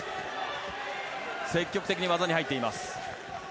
積極的に技に入っています。